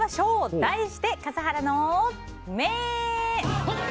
題して笠原の眼！